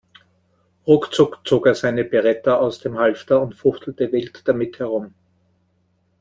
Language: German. Ruckzuck zog er seine Beretta aus dem Halfter und fuchtelte wild damit herum.